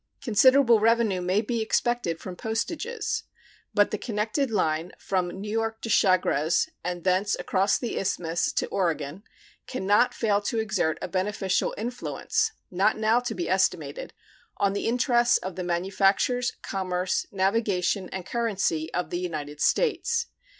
Considerable revenue may be expected from postages, but the connected line from New York to Chagres, and thence across the Isthmus to Oregon, can not fail to exert a beneficial influence, not now to be estimated, on the interests of the manufactures, commerce, navigation, and currency of the United States.